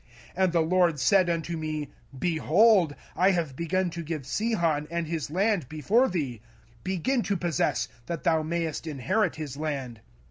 05:002:031 And the LORD said unto me, Behold, I have begun to give Sihon and his land before thee: begin to possess, that thou mayest inherit his land.